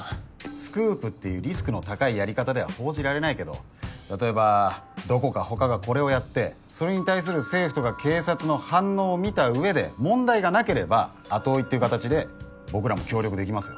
スクープっていうリスクの高いやり方では報じられないけど例えばどこか他がこれをやってそれに対する政府とか警察の反応を見たうえで問題がなければ後追いっていう形で僕らも協力できますよ。